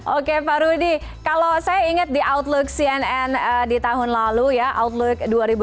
oke pak rudy kalau saya ingat di outlook cnn di tahun lalu ya outlook dua ribu dua puluh